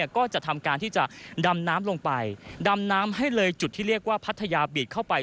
ก็จะทำการที่จะดำน้ำลงไปดำน้ำให้เลยจุดที่เรียกว่าพัทยาบีดเข้าไป